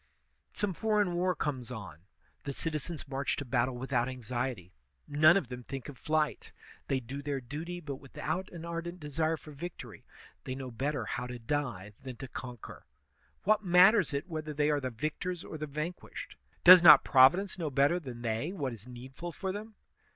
Some foreign war comes on ; the citizens march to battle without anxiety; none of them think of flight. They do their duty, but without an ardent desire for victory; they know better how to die than to conquer. What matters it whether they are the victors or the vanquished ? Does not Providence know better than they what is needful for them